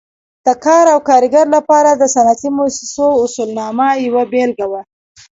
د کار او کارګر لپاره د صنعتي مؤسسو اصولنامه یوه بېلګه وه.